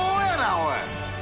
おい。